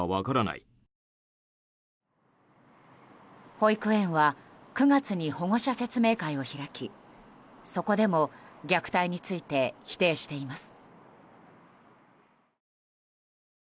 保育園は９月に保護者説明会を開きそこでも虐待について否定しています。